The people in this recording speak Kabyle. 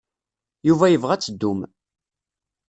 Yuba yebɣa ad teddum.